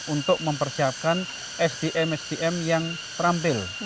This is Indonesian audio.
untuk mempersiapkan sdm sdm yang terampil